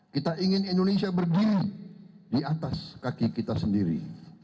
kita ingin indonesia berdiri di atas kaki kita sendiri